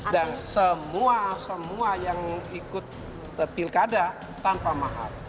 dan semua semua yang ikut pilkada tanpa mahar